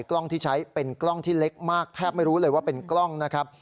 กล้องที่ใช้เป็นกล้องที่เล็กมากแทบไม่รู้เลยว่าเป็นกล้องนะครับ